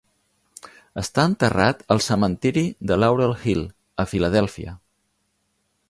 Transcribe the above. Està enterrat al cementiri de Laurel Hill, a Filadèlfia.